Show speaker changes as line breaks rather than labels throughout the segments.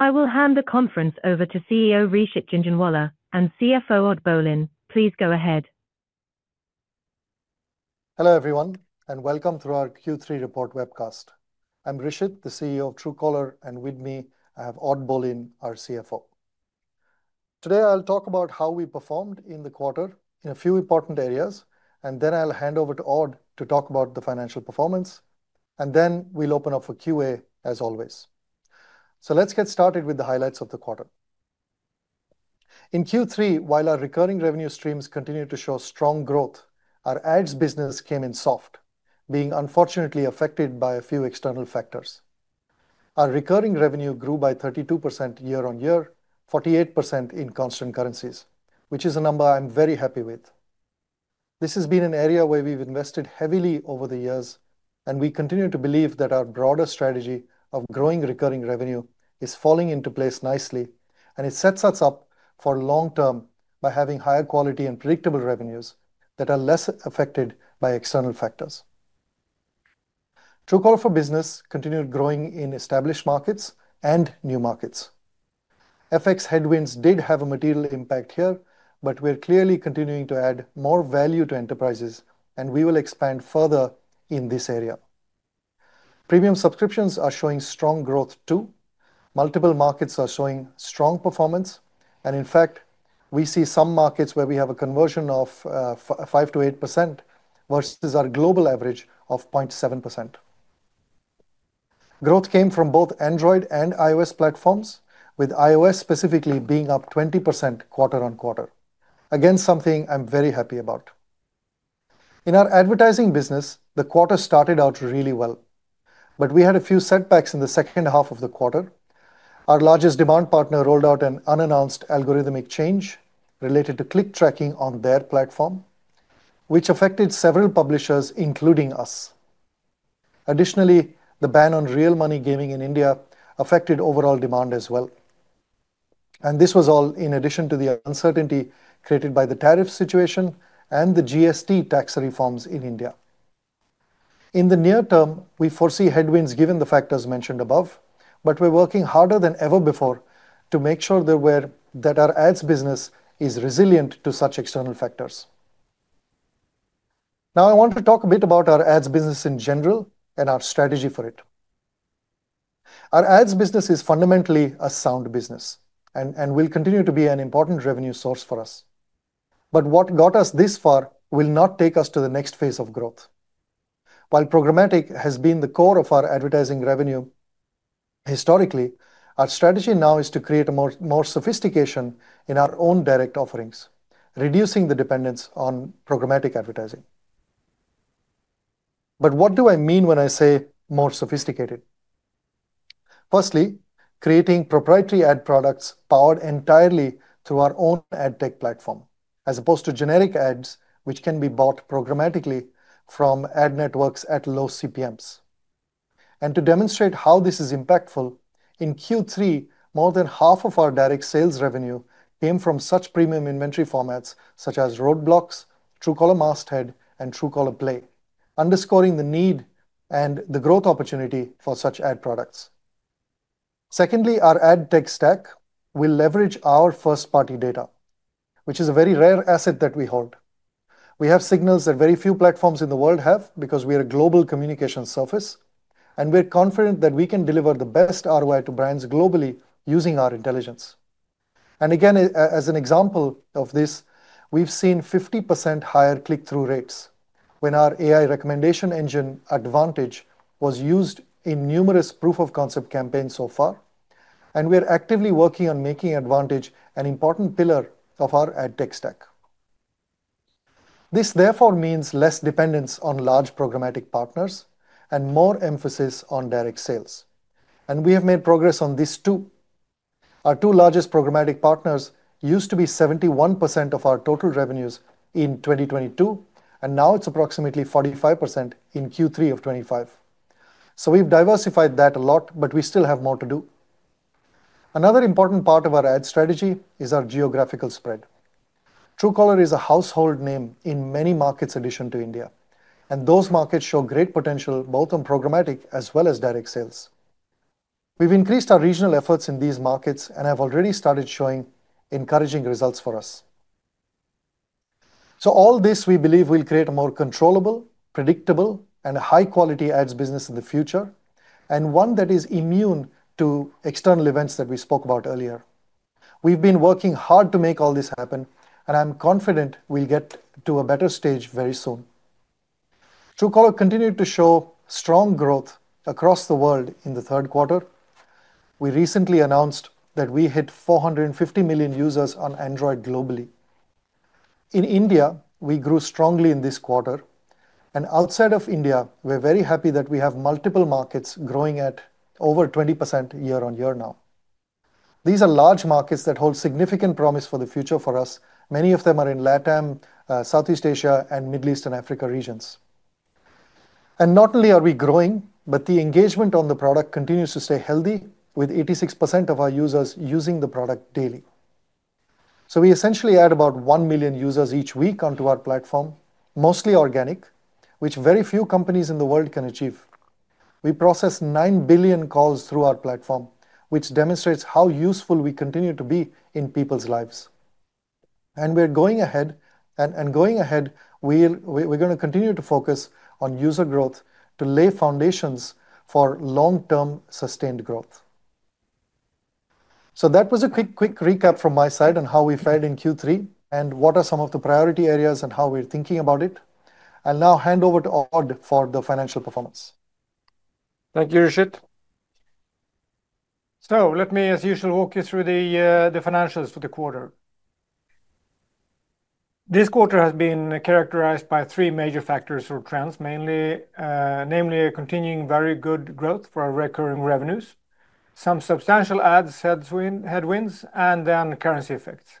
I will hand the conference over to CEO Rishit Jhunjhunwala and CFO Odd Bolin. Please go ahead.
Hello everyone, and welcome to our Q3 report webcast. I'm Rishit, the CEO of Truecaller, and with me, I have Odd Bolin, our CFO. Today, I'll talk about how we performed in the quarter in a few important areas, and then I'll hand over to Odd to talk about the financial performance, and then we'll open up for Q&A, as always. Let's get started with the highlights of the quarter. In Q3, while our recurring revenue streams continued to show strong growth, our ads business came in soft, being unfortunately affected by a few external factors. Our recurring revenue grew by 32% year-on-year, 48% in constant currencies, which is a number I'm very happy with. This has been an area where we've invested heavily over the years, and we continue to believe that our broader strategy of growing recurring revenue is falling into place nicely, and it sets us up for long term by having higher quality and predictable revenues that are less affected by external factors. Truecaller for Business continued growing in established markets and new markets. FX headwinds did have a material impact here, but we're clearly continuing to add more value to enterprises, and we will expand further in this area. Premium subscriptions are showing strong growth too. Multiple markets are showing strong performance, and in fact, we see some markets where we have a conversion of 5-8% vs our global average of 0.7%. Growth came from both Android and iOS platforms, with iOS specifically being up 20% quarter-on-quarter, again something I'm very happy about. In our advertising business, the quarter started out really well, but we had a few setbacks in the second half of the quarter. Our largest demand partner rolled out an unannounced algorithmic change related to click tracking on their platform, which affected several publishers, including us. Additionally, the ban on real Money Gaming in India affected overall demand as well. This was all in addition to the uncertainty created by the tariff situation and the GST tax reforms in India. In the near term, we foresee headwinds given the factors mentioned above, but we're working harder than ever before to make sure that our ads business is resilient to such external factors. Now, I want to talk a bit about our ads business in general and our strategy for it. Our ads business is fundamentally a sound business and will continue to be an important revenue source for us. What got us this far will not take us to the next phase of growth. While programmatic has been the core of our advertising revenue historically, our strategy now is to create more sophistication in our own direct offerings, reducing the dependence on programmatic advertising. What do I mean when I say more sophisticated? Firstly, creating proprietary ad products powered entirely through our own ad tech platform, as opposed to generic ads which can be bought programmatically from ad networks at low CPMs. To demonstrate how this is impactful, in Q3, more than half of our direct sales revenue came from such premium inventory formats such as Roadblocks, Truecaller Masthead, and Truecaller Play, underscoring the need and the growth opportunity for such ad products. Secondly, our ad tech stack will leverage our first-party data, which is a very rare asset that we hold. We have signals that very few platforms in the world have because we are a global communications service, and we're confident that we can deliver the best ROI to brands globally using our intelligence. As an example of this, we've seen 50% higher click-through rates when our AI recommendation engine Advantage AI was used in numerous proof-of-concept campaigns so far, and we're actively working on making Advantage AI an important pillar of our ad tech stack. This therefore means less dependence on large programmatic partners and more emphasis on direct sales, and we have made progress on this too. Our two largest programmatic partners used to be 71% of our total revenues in 2022, and now it's approximately 45% in Q3 of 2025. We've diversified that a lot, but we still have more to do. Another important part of our ad strategy is our geographical spread. Truecaller is a household name in many markets in addition to India, and those markets show great potential both in programmatic as well as direct sales. We've increased our regional efforts in these markets and have already started showing encouraging results for us. All this we believe will create a more controllable and predictable and high-quality ads business in the future, and one that is immune to external events that we spoke about earlier. We've been working hard to make all this happen, and I'm confident we'll get to a better stage very soon. Truecaller continued to show strong growth across the world in the third quarter. We recently announced that we hit 450 million users on Android globally. In India, we grew strongly in this quarter, and outside of India, we're very happy that we have multiple markets growing at over 20% year-on-year now. These are large markets that hold significant promise for the future for us. Many of them are in LATAM, Southeast Asia, and Middle East & Africa regions. Not only are we growing, but the engagement on the product continues to stay healthy, with 86% of our users using the product daily. We essentially add about 1 million users each week onto our platform, mostly organic, which very few companies in the world can achieve. We process 9 billion calls through our platform, which demonstrates how useful we continue to be in people's lives. Going ahead, we're going to continue to focus on user growth to lay foundations for long-term sustained growth. That was a quick recap from my side on how we fared in Q3 and what are some of the priority areas and how we're thinking about it. I'll now hand over to Odd for the financial performance.
Thank you, Rishit. Let me, as usual, walk you through the financials for the quarter. This quarter has been characterized by three major factors or trends, mainly namely continuing very good growth for our recurring revenues, some substantial ads headwinds, and then currency effects.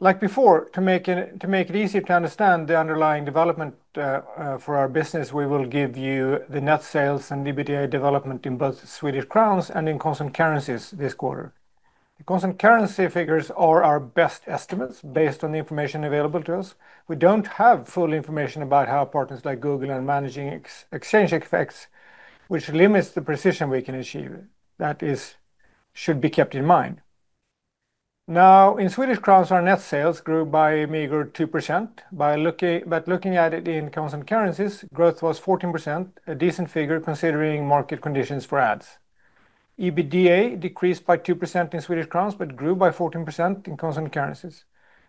Like before, to make it easier to understand the underlying development for our business, we will give you the net sales and EBITDA development in both Swedish crowns and in constant currencies this quarter. The constant currency figures are our best estimates based on the information available to us. We don't have full information about how partners like Google are managing exchange effects, which limits the precision we can achieve. That should be kept in mind. Now, in Swedish crowns, our net sales grew by a meager 2%. Looking at it in constant currencies, growth was 14%, a decent figure considering market conditions for ads. EBITDA decreased by 2% in Swedish crowns, but grew by 14% in constant currencies.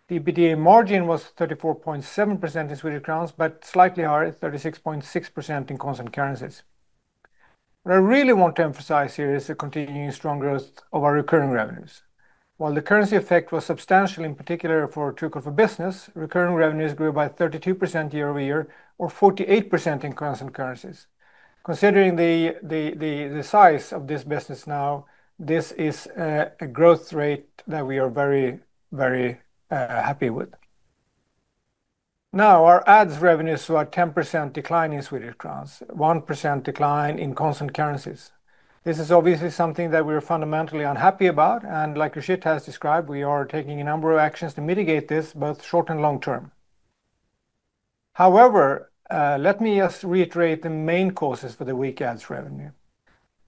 The EBITDA margin was 34.7% in Swedish crowns, but slightly higher at 36.6% in constant currencies. What I really want to emphasize here is the continuing strong growth of our recurring revenues. While the currency effect was substantial, in particular for Truecaller for Business, recurring revenues grew by 32% year-over-year or 48% in constant currencies. Considering the size of this business now, this is a growth rate that we are very, very happy with. Now, our ads revenues saw a 10% decline in SEK, 1% decline in constant currencies. This is obviously something that we are fundamentally unhappy about, and like Rishit has described, we are taking a number of actions to mitigate this both short and long term. However, let me just reiterate the main causes for the weak ads revenue.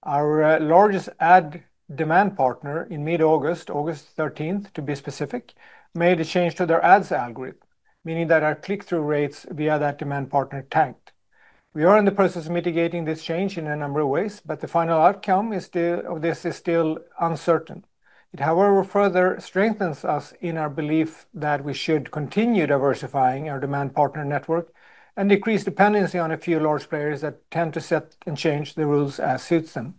Our largest ad demand partner in mid-August, August 13th to be specific, made a change to their ads algorithm, meaning that our click-through rates via that demand partner tanked. We are in the process of mitigating this change in a number of ways, but the final outcome of this is still uncertain. It, however, further strengthens us in our belief that we should continue diversifying our demand partner network and decrease dependency on a few large players that tend to set and change the rules as suits them.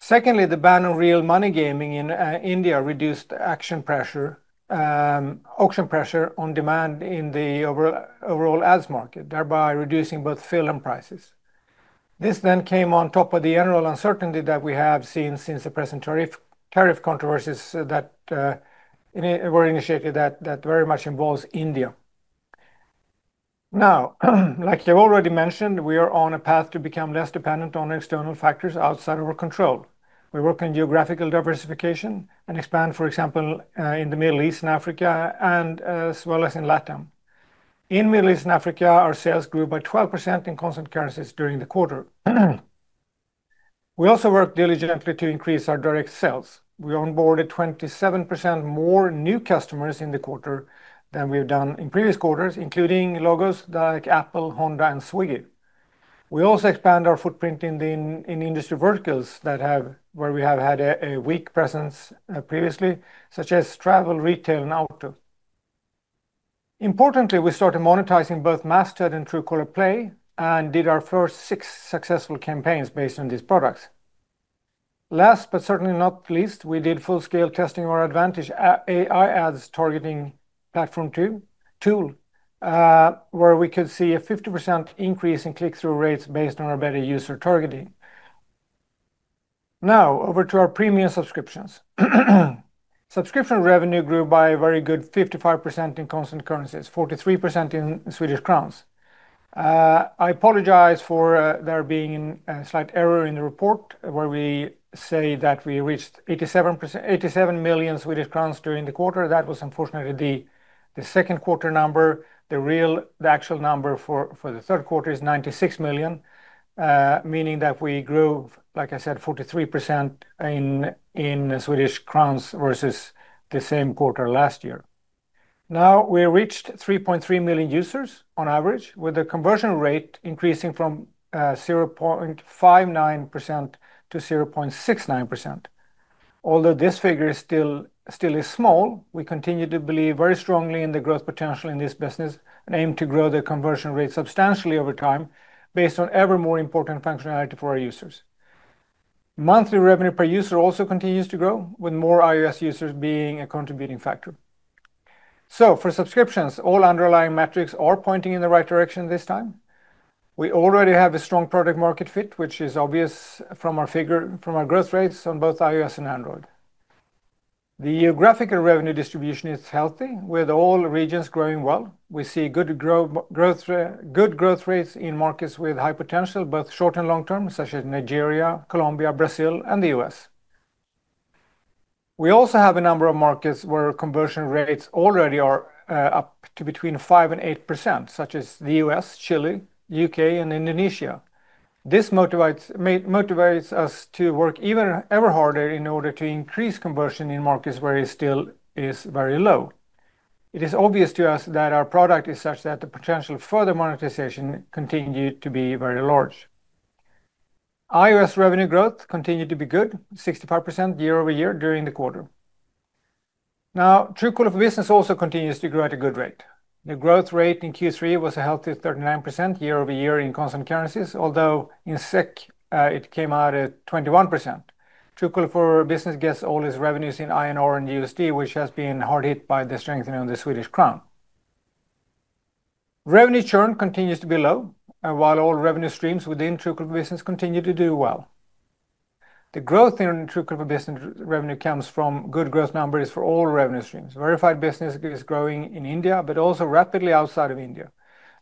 Secondly, the ban on real Money Gaming in India reduced auction pressure on demand in the overall ads market, thereby reducing both fill and prices. This then came on top of the general uncertainty that we have seen since the present tariff uncertainties that were initiated that very much involve India. Now, like I've already mentioned, we are on a path to become less dependent on external factors outside of our control. We work on geographical diversification and expand, for example, in the Middle East & Africa, as well as in LATAM. In Middle East & Africa, our sales grew by 12% in constant currencies during the quarter. We also worked diligently to increase our direct sales. We onboarded 27% more new customers in the quarter than we've done in previous quarters, including logos like Apple, Honda, and Swiggy. We also expand our footprint in industry verticals where we have had a weak presence previously, such as travel, retail, and auto. Importantly, we started monetizing both Truecaller Masthead and Truecaller Play and did our first six successful campaigns based on these products. Last but certainly not least, we did full-scale testing of our Advantage AI ads targeting platform tool, where we could see a 50% increase in click-through rates based on our better user targeting. Now, over to our premium subscriptions. Subscription revenue grew by a very good 55% in constant currencies, 43% in SEK. I apologize for there being a slight error in the report where we say that we reached 87 million Swedish crowns during the quarter. That was unfortunately the second quarter number. The real, the actual number for the third quarter is 96 million, meaning that we grew, like I said, 43% in Swedish crowns vs the same quarter last year. We reached 3.3 million users on average, with the conversion rate increasing from 0.59%-0.69%. Although this figure still is small, we continue to believe very strongly in the growth potential in this business and aim to grow the conversion rate substantially over time based on ever more important functionality for our users. Monthly revenue per user also continues to grow, with more iOS users being a contributing factor. For subscriptions, all underlying metrics are pointing in the right direction this time. We already have a strong product market fit, which is obvious from our growth rates on both iOS and Android. The geographical revenue distribution is healthy, with all regions growing well. We see good growth rates in markets with high potential, both short and long term, such as Nigeria, Colombia, Brazil, and the U.S. We also have a number of markets where conversion rates already are up to between 5% and 8%, such as the U.S., Chile, U.K., and Indonesia. This motivates us to work even ever harder in order to increase conversion in markets where it still is very low. It is obvious to us that our product is such that the potential for further monetization continues to be very large. iOS revenue growth continued to be good, 65% year-over-year during the quarter. Truecaller for Business also continues to grow at a good rate. The growth rate in Q3 was a healthy 39% year-over-year in constant currencies, although in SEK, it came out at 21%. Truecaller for Business gets all its revenues in INR and USD, which has been hard hit by the strengthening of the Swedish crown. Revenue churn continues to be low, while all revenue streams within Truecaller for Business continue to do well. The growth in Truecaller for Business revenue comes from good growth numbers for all revenue streams. Verified business is growing in India, but also rapidly outside of India.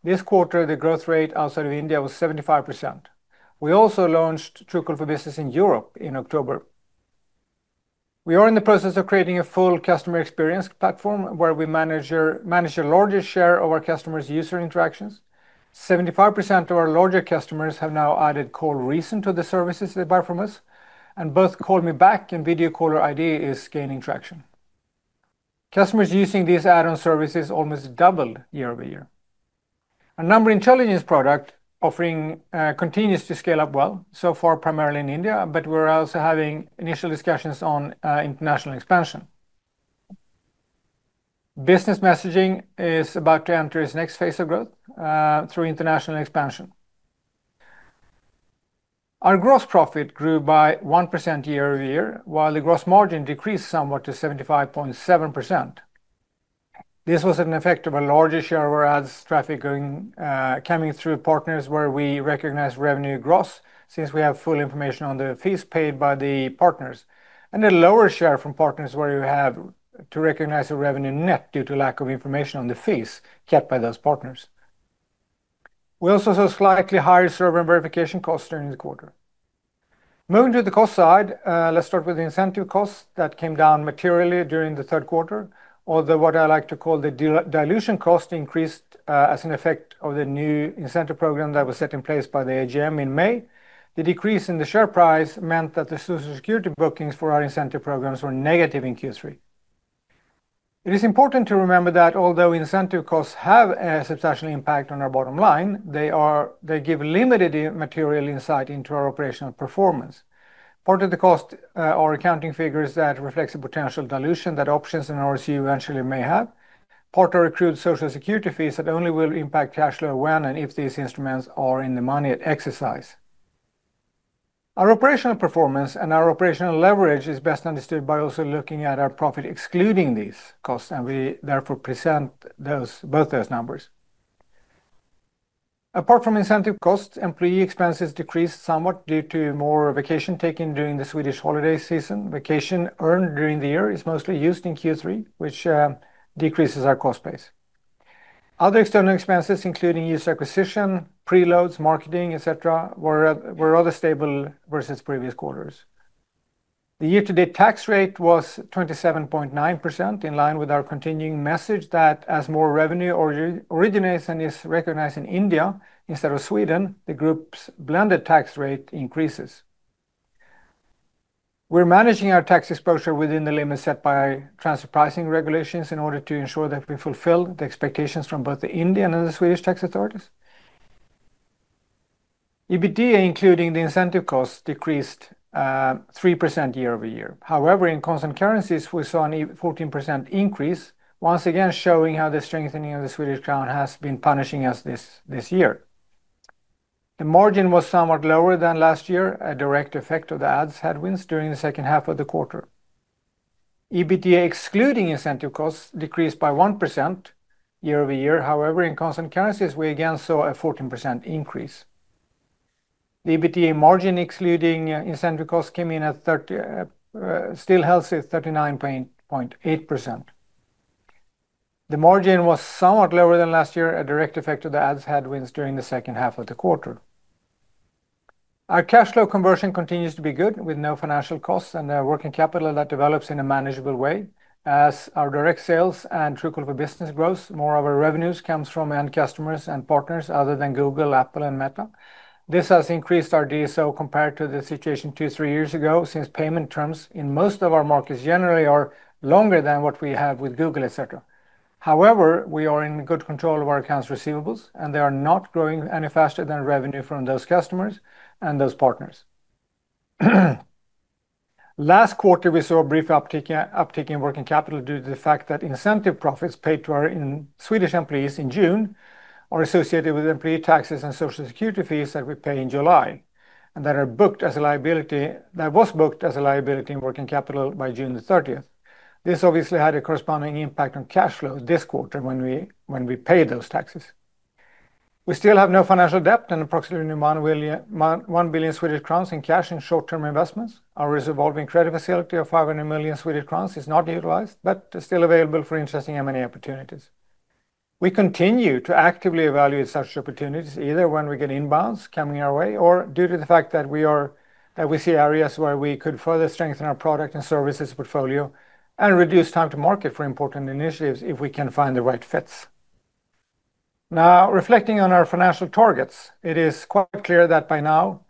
This quarter, the growth rate outside of India was 75%. We also launched Truecaller for Business in Europe in October. We are in the process of creating a full customer experience platform where we manage the largest share of our customers' user interactions. 75% of our larger customers have now added Call Reason to the services they buy from us, and both Call-Me-Back and Video Caller ID is gaining traction. Customers using these add-on services almost doubled year-over-year. Our number in challenges product offering continues to scale up well so far, primarily in India, but we're also having initial discussions on international expansion. Business messaging is about to enter its next phase of growth through international expansion. Our gross profit grew by 1% year-over-year, while the gross margin decreased somewhat to 75.7%. This was an effect of a larger share of our ads traffic coming through partners where we recognize revenue gross since we have full information on the fees paid by the partners, and a lower share from partners where you have to recognize revenue net due to lack of information on the fees kept by those partners. We also saw slightly higher server and verification costs during the quarter. Moving to the cost side, let's start with the incentive costs that came down materially during the third quarter, although what I like to call the dilution cost increased as an effect of the new incentive program that was set in place by the AGM in May. The decrease in the share price meant that the social security bookings for our incentive programs were negative in Q3. It is important to remember that although incentive costs have a substantial impact on our bottom line, they give limited material insight into our operational performance. Part of the cost are accounting figures that reflect the potential dilution that options and RSU eventually may have. Part are accrued social security fees that only will impact cash flow when and if these instruments are in the Money at exercise. Our operational performance and our operational leverage is best understood by also looking at our profit excluding these costs, and we therefore present both those numbers. Apart from incentive costs, employee expenses decreased somewhat due to more vacation taken during the Swedish holiday season. Vacation earned during the year is mostly used in Q3, which decreases our cost base. Other external expenses, including user acquisition, preloads, marketing, etc., were rather stable versus previous quarters. The year-to-date tax rate was 27.9% in line with our continuing message that as more revenue originates and is recognized in India instead of Sweden, the group's blended tax rate increases. We're managing our tax exposure within the limits set by transfer pricing regulations in order to ensure that we fulfill the expectations from both the Indian and the Swedish tax authorities. EBITDA, including the incentive costs, decreased 3% year-over-year. However, in constant currencies, we saw a 14% increase, once again showing how the strengthening of the Swedish crown has been punishing us this year. The margin was somewhat lower than last year, a direct effect of the ads headwinds during the second half of the quarter. EBITDA excluding incentive costs decreased by 1% year-over-year. However, in constant currencies, we again saw a 14% increase. The EBITDA margin excluding incentive costs came in at a still healthy 39.8%. The margin was somewhat lower than last year, a direct effect of the ads headwinds during the second half of the quarter. Our cash flow conversion continues to be good with no financial costs and working capital that develops in a manageable way. As our direct sales and Truecaller for Business grow, more of our revenues come from end customers and partners other than Google, Apple, and Meta. This has increased our DSO compared to the situation two to three years ago since payment terms in most of our markets generally are longer than what we have with Google, etc. However, we are in good control of our accounts receivables, and they are not growing any faster than revenue from those customers and those partners. Last quarter, we saw a brief uptick in working capital due to the fact that incentive profits paid to our Swedish employees in June are associated with employee taxes and social security fees that we pay in July, and that was booked as a liability in working capital by June 30. This obviously had a corresponding impact on cash flow this quarter when we paid those taxes. We still have no financial debt and approximately 1 billion Swedish crowns in cash in short-term investments. Our revolving credit facility of 500 million Swedish crowns is not utilized, but still available for interesting M&A opportunities. We continue to actively evaluate such opportunities, either when we get inbounds coming our way or due to the fact that we see areas where we could further strengthen our product and services portfolio and reduce time to market for important initiatives if we can find the right fits. Now, reflecting on our financial targets, it is quite clear by now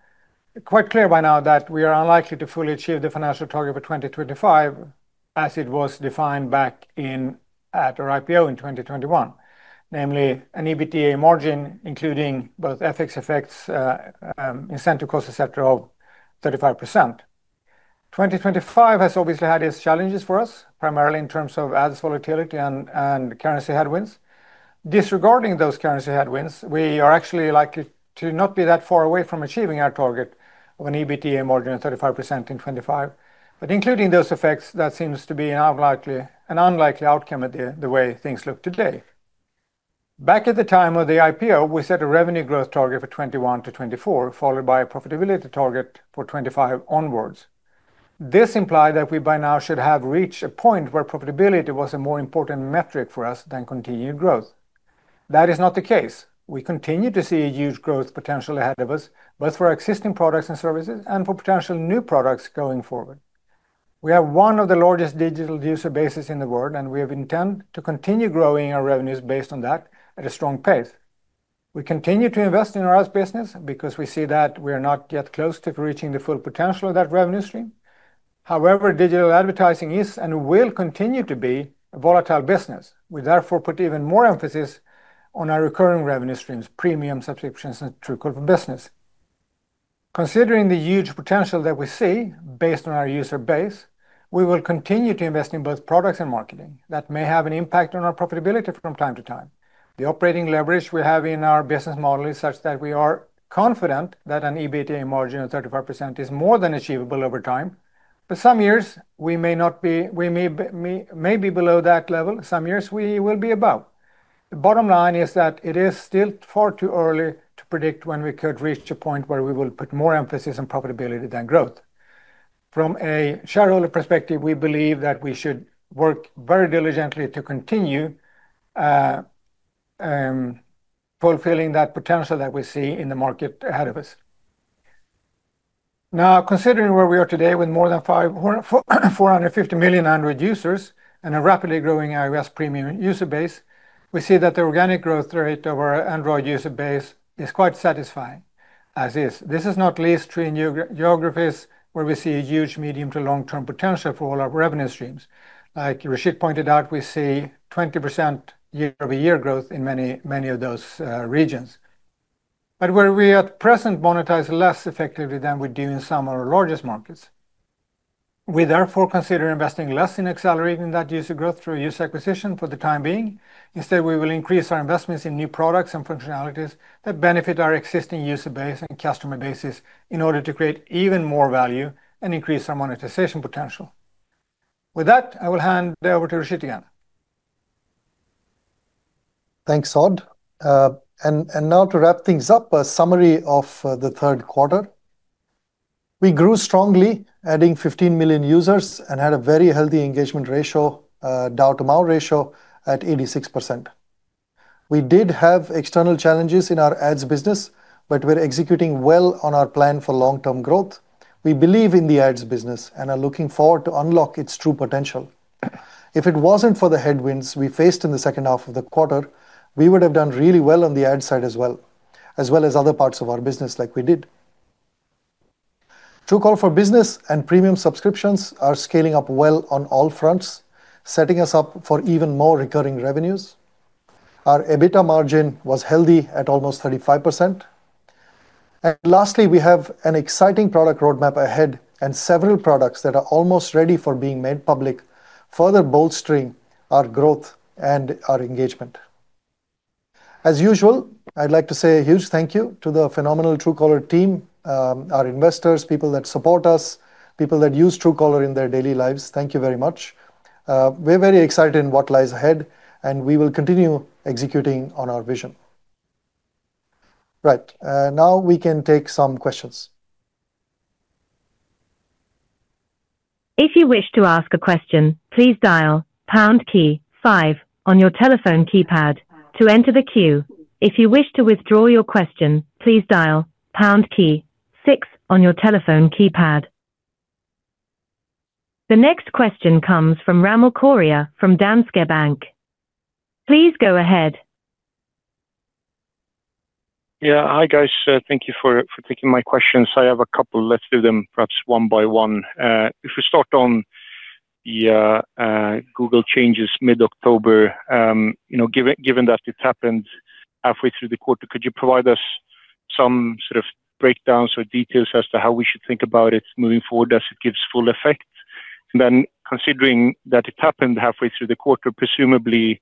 that we are unlikely to fully achieve the financial target for 2025 as it was defined back at our IPO in 2021, namely an EBITDA margin including both FX effects, incentive costs, etc., of 35%. 2025 has obviously had its challenges for us, primarily in terms of ad volatility and currency headwinds. Disregarding those currency headwinds, we are actually likely to not be that far away from achieving our target of an EBITDA margin of 35% in 2025, but including those effects, that seems to be an unlikely outcome at the way things look today. Back at the time of the IPO, we set a revenue growth target for 2021-2024, followed by a profitability target for 2025 onwards. This implied that we by now should have reached a point where profitability was a more important metric for us than continued growth. That is not the case. We continue to see a huge growth potential ahead of us, both for our existing products and services and for potential new products going forward. We have one of the largest digital user bases in the world, and we have intent to continue growing our revenues based on that at a strong pace. We continue to invest in our ads business because we see that we are not yet close to reaching the full potential of that revenue stream. However, digital advertising is and will continue to be a volatile business. We therefore put even more emphasis on our recurring revenue streams, premium subscriptions, and Truecaller for Business. Considering the huge potential that we see based on our user base, we will continue to invest in both products and marketing. That may have an impact on our profitability from time to time. The operating leverage we have in our business model is such that we are confident that an EBITDA margin of 35% is more than achievable over time, but some years we may be below that level, some years we will be above. The bottom line is that it is still far too early to predict when we could reach a point where we will put more emphasis on profitability than growth. From a shareholder perspective, we believe that we should work very diligently to continue fulfilling that potential that we see in the market ahead of us. Now, considering where we are today with more than 450 million Android users and a rapidly growing iOS premium user base, we see that the organic growth rate of our Android user base is quite satisfying as is. This is not least three new geographies where we see a huge medium to long-term potential for all our revenue streams. Like Rishit pointed out, we see 20% year-over-year growth in many of those regions, but where we at present monetize less effectively than we do in some of our largest markets. We therefore consider investing less in accelerating that user growth through user acquisition for the time being. Instead, we will increase our investments in new products and functionalities that benefit our existing user base and customer bases in order to create even more value and increase our monetization potential. With that, I will hand it over to Rishit again.
Thanks, Odd. Now to wrap things up, a summary of the third quarter. We grew strongly, adding 15 million users and had a very healthy engagement ratio, DOW to MOW ratio at 86%. We did have external challenges in our ads business, but we're executing well on our plan for long-term growth. We believe in the ads business and are looking forward to unlocking its true potential. If it wasn't for the headwinds we faced in the second half of the quarter, we would have done really well on the ad side as well as other parts of our business like we did. Truecaller for Business and premium subscriptions are scaling up well on all fronts, setting us up for even more recurring revenues. Our EBITDA margin was healthy at almost 35%. Lastly, we have an exciting product roadmap ahead and several products that are almost ready for being made public, further bolstering our growth and our engagement. As usual, I'd like to say a huge thank you to the phenomenal Truecaller team, our investors, people that support us, people that use Truecaller in their daily lives. Thank you very much. We're very excited in what lies ahead, and we will continue executing on our vision. Right, now we can take some questions.
If you wish to ask a question, please dial pound key five on your telephone keypad to enter the queue. If you wish to withdraw your question, please dial pound key six on your telephone keypad. The next question comes from Ramil Koria from Danske Bank. Please go ahead.
Yeah, hi guys. Thank you for taking my questions. I have a couple. Let's do them perhaps one by one. If we start on the Google changes mid-October, you know, given that it happened halfway through the quarter, could you provide us some sort of breakdowns or details as to how we should think about it moving forward as it gives full effect? Considering that it happened halfway through the quarter, presumably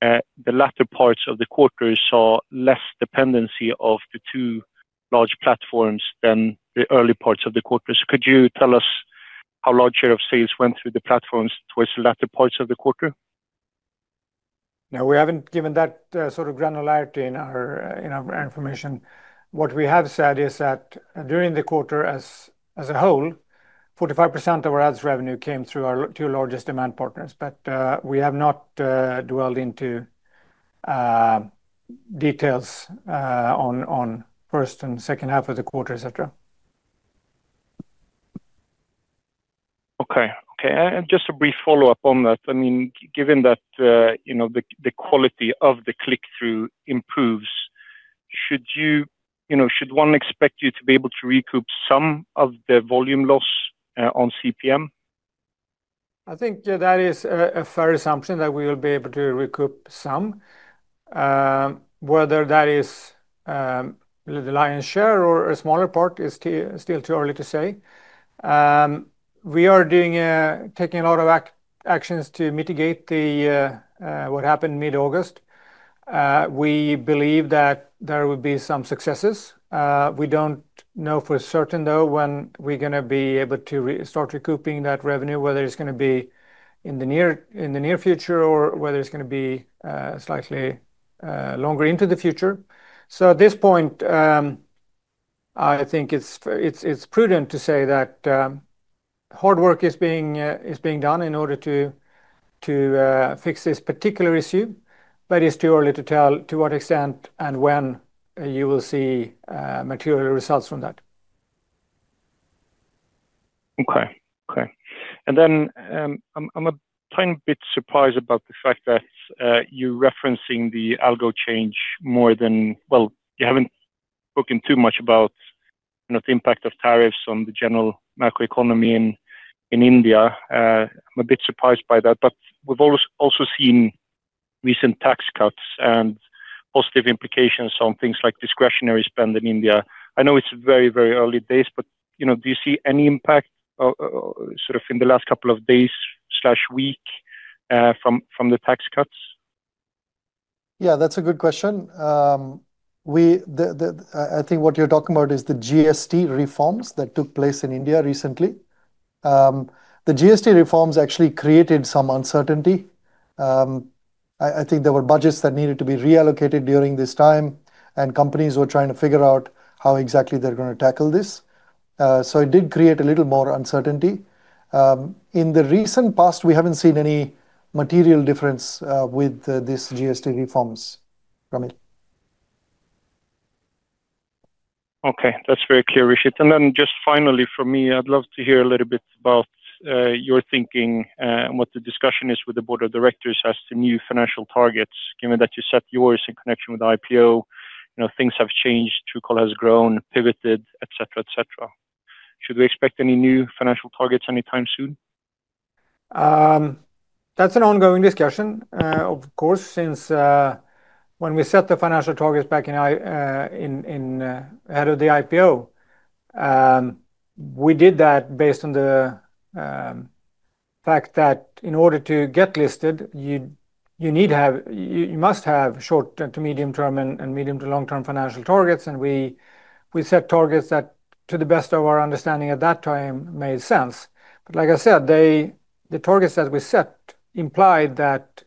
the latter parts of the quarter saw less dependency of the two large platforms than the early parts of the quarter. Could you tell us how large share of sales went through the platforms towards the latter parts of the quarter?
No, we haven't given that sort of granularity in our information. What we have said is that during the quarter as a whole, 45% of our ads revenue came through our two largest demand partners, but we have not dwelled into details on the first and second half of the quarter, etc.
Okay. Just a brief follow-up on that. I mean, given that the quality of the click-through improves, should you, you know, should one expect you to be able to recoup some of the volume loss on CPM?
I think that is a fair assumption that we will be able to recoup some. Whether that is the lion's share or a smaller part is still too early to say. We are taking a lot of actions to mitigate what happened mid-August. We believe that there will be some successes. We don't know for certain though when we're going to be able to start recouping that revenue, whether it's going to be in the near future or whether it's going to be slightly longer into the future. At this point, I think it's prudent to say that hard work is being done in order to fix this particular issue, but it's too early to tell to what extent and when you will see material results from that.
Okay. I'm a tiny bit surprised about the fact that you're referencing the algo change more than, you haven't spoken too much about the impact of tariffs on the general macro-economy in India. I'm a bit surprised by that, but we've also seen recent tax cuts and positive implications on things like discretionary spend in India. I know it's very, very early days, but do you see any impact in the last couple of days or week from the tax cuts?
Yeah, that's a good question. I think what you're talking about is the GST tax reforms that took place in India recently. The GST tax reforms actually created some uncertainty. I think there were budgets that needed to be reallocated during this time, and companies were trying to figure out how exactly they're going to tackle this. It did create a little more uncertainty. In the recent past, we haven't seen any material difference with these GST tax reforms, Ramil.
Okay, that's very clear, Rishit. Finally, for me, I'd love to hear a little bit about your thinking and what the discussion is with the board of directors as to new financial targets, given that you set yours in connection with the IPO. You know, things have changed, Truecaller has grown, pivoted, etc., etc. Should we expect any new financial targets anytime soon?
That's an ongoing discussion, of course, since when we set the financial targets back ahead of the IPO, we did that based on the fact that in order to get listed, you must have short to medium term and medium to long term financial targets, and we set targets that, to the best of our understanding at that time, made sense. The targets that we set implied that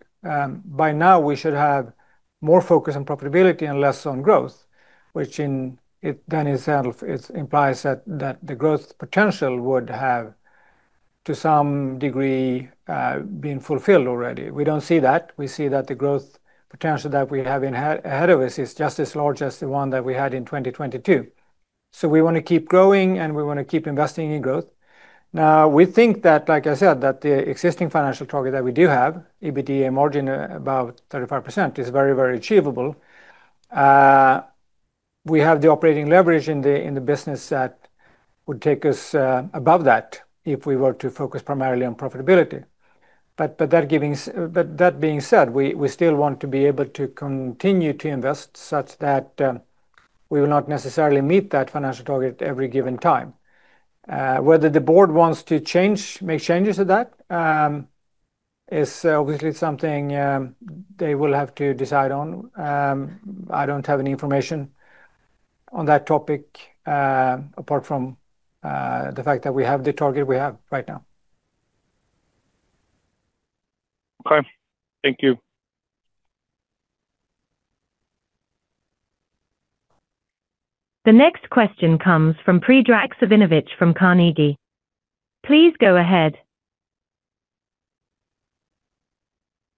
by now we should have more focus on profitability and less on growth, which in it then implies that the growth potential would have to some degree been fulfilled already. We don't see that. We see that the growth potential that we have ahead of us is just as large as the one that we had in 2022. We want to keep growing, and we want to keep investing in growth. We think that, like I said, the existing financial target that we do have, EBITDA margin about 35%, is very, very achievable. We have the operating leverage in the business that would take us above that if we were to focus primarily on profitability. That being said, we still want to be able to continue to invest such that we will not necessarily meet that financial target every given time. Whether the board wants to make changes to that is obviously something they will have to decide on. I don't have any information on that topic apart from the fact that we have the target we have right now.
Okay, thank you.
The next question comes from Predrag Savinovich from Carnegie. Please go ahead.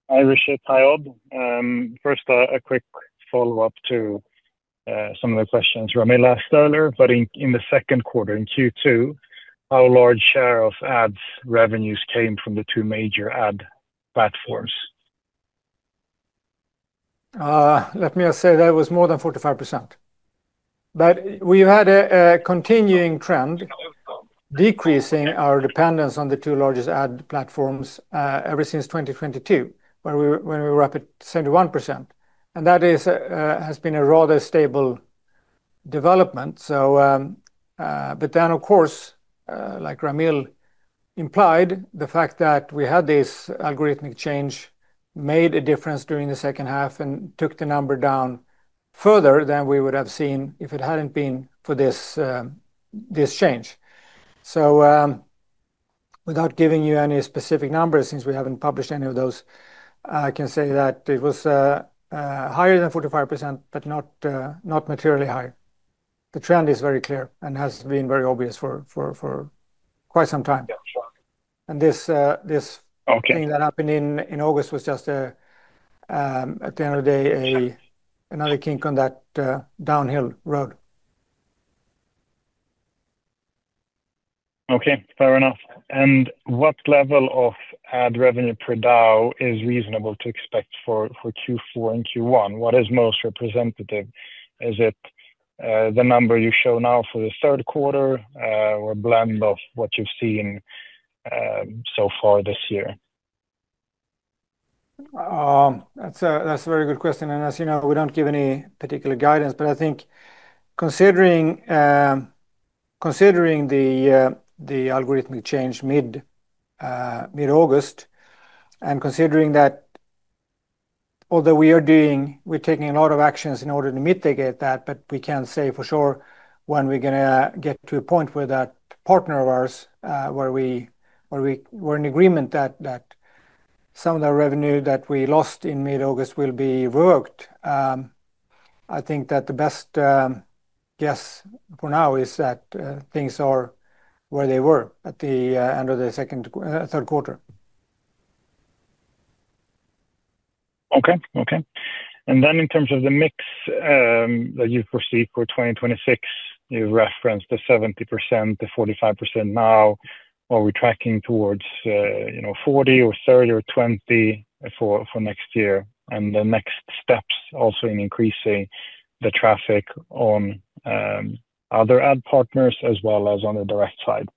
Hi, Rishit. Hi, Odd. First, a quick follow-up to some of the questions Ramel asked earlier. In the second quarter, in Q2, how large share of ads revenues came from the two major ad platforms?
Let me just say that it was more than 45%. We have had a continuing trend decreasing our dependence on the two largest ad platforms ever since 2022, when we were up at 71%. That has been a rather stable development. Of course, like Ramel implied, the fact that we had this algorithmic change made a difference during the second half and took the number down further than we would have seen if it hadn't been for this change. Without giving you any specific numbers, since we haven't published any of those, I can say that it was higher than 45%, but not materially higher. The trend is very clear and has been very obvious for quite some time. This thing that happened in August was just, at the end of the day, another kink on that downhill road.
Okay, fair enough. What level of ad revenue per DAO is reasonable to expect for Q4 and Q1? What is most representative? Is it the number you show now for the third quarter or a blend of what you've seen so far this year?
That's a very good question. As you know, we don't give any particular guidance. I think considering the algorithmic change mid-August and considering that although we are doing, we're taking a lot of actions in order to mitigate that, we can't say for sure when we're going to get to a point with that partner of ours where we're in agreement that some of the revenue that we lost in mid-August will be revoked. I think that the best guess for now is that things are where they were at the end of the third quarter.
Okay. In terms of the mix that you foresee for 2026, you've referenced the 70% to 45% now. Are we tracking towards 40% or 30% or 20% for next year? The next steps also in increasing the traffic on other ad partners as well as on the direct side?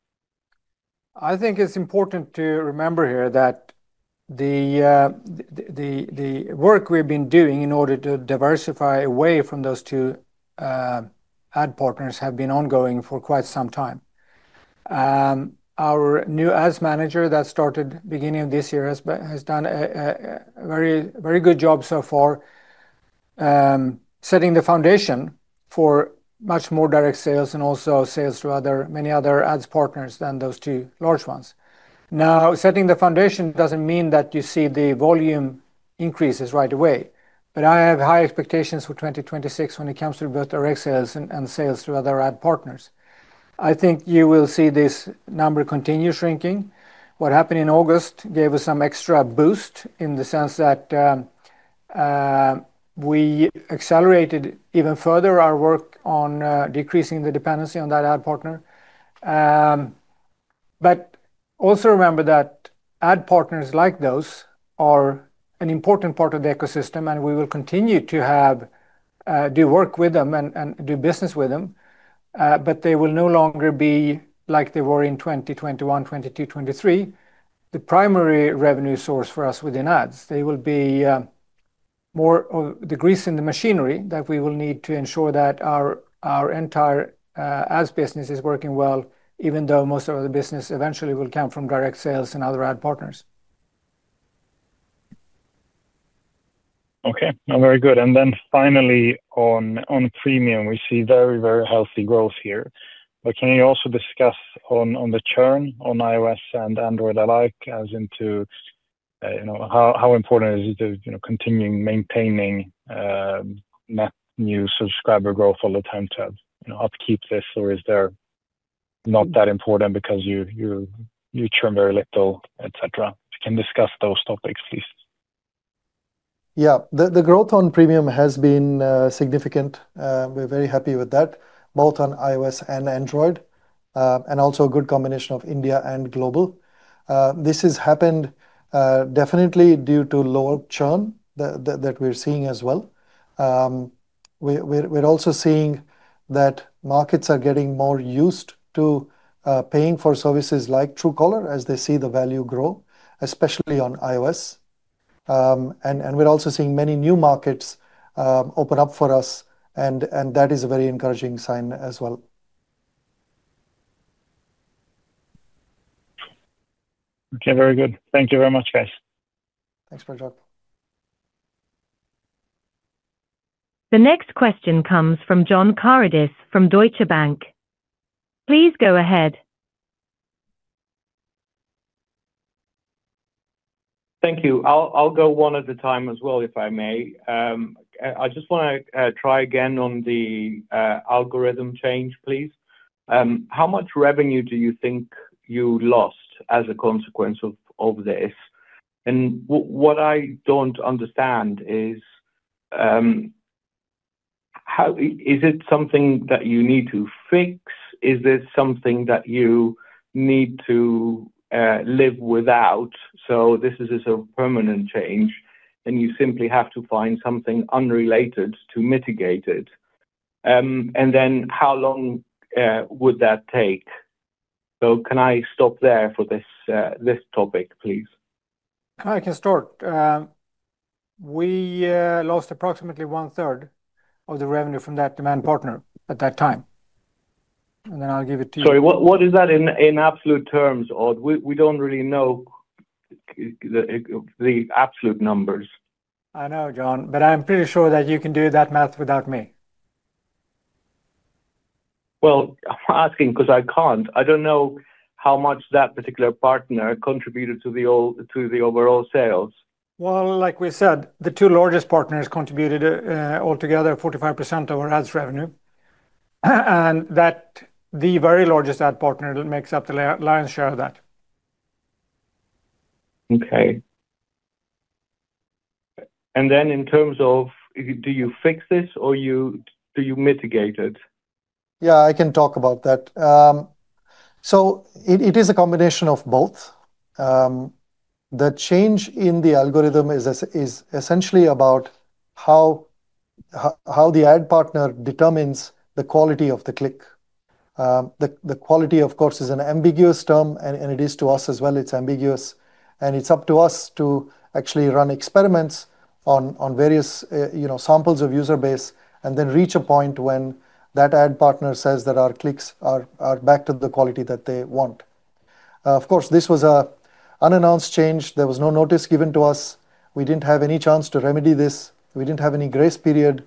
I think it's important to remember here that the work we've been doing in order to diversify away from those two ad partners has been ongoing for quite some time. Our new ads manager that started at the beginning of this year has done a very good job so far, setting the foundation for much more direct sales and also sales to many other ads partners than those two large ones. Now, setting the foundation doesn't mean that you see the volume increases right away, but I have high expectations for 2026 when it comes to both direct sales and sales to other ad partners. I think you will see this number continue shrinking. What happened in August gave us some extra boost in the sense that we accelerated even further our work on decreasing the dependency on that ad partner. Also remember that ad partners like those are an important part of the ecosystem, and we will continue to work with them and do business with them, but they will no longer be like they were in 2021, 2022, 2023, the primary revenue source for us within ads. They will be more of the grease in the machinery that we will need to ensure that our entire ads business is working well, even though most of the business eventually will come from direct sales and other ad partners.
Okay, very good. Finally, on Premium, we see very, very healthy growth here. Can you also discuss the churn on iOS and Android alike, as into how important it is to continue maintaining net new subscriber growth all the time to upkeep this, or is that not that important because you churn very little, etc.? If you can discuss those topics, please.
Yeah, the growth on premium has been significant. We're very happy with that, both on iOS and Android, and also a good combination of India and global. This has happened definitely due to lower churn that we're seeing as well. We're also seeing that markets are getting more used to paying for services like Truecaller as they see the value grow, especially on iOS. We're also seeing many new markets open up for us, and that is a very encouraging sign as well.
Okay, very good. Thank you very much, guys.
Thanks, Predrag.
The next question comes from John Karidis from Deutsche Bank. Please go ahead.
Thank you. I'll go one at a time as well, if I may. I just want to try again on the algorithm change, please. How much revenue do you think you lost as a consequence of this? What I don't understand is, is it something that you need to fix? Is this something that you need to live without? Is this a permanent change, and you simply have to find something unrelated to mitigate it? How long would that take? Can I stop there for this topic, please?
I can start. We lost approximately 1/3 of the revenue from that demand partner at that time. I'll give it to you.
Sorry, what is that in absolute terms, Odd? We don't really know the absolute numbers.
I know, John, but I'm pretty sure that you can do that math without me.
I'm asking because I can't. I don't know how much that particular partner contributed to the overall sales?
Like we said, the two largest partners contributed altogether 45% of our ads revenue, and that the very largest ad partner makes up the lion's share of that.
Okay. In terms of, do you fix this or do you mitigate it?
Yeah, I can talk about that. It is a combination of both. The change in the algorithm is essentially about how the ad partner determines the quality of the click. The quality, of course, is an ambiguous term, and it is to us as well. It's ambiguous, and it's up to us to actually run experiments on various samples of user base and then reach a point when that ad partner says that our clicks are back to the quality that they want. This was an unannounced change. There was no notice given to us. We didn't have any chance to remedy this. We didn't have any grace period.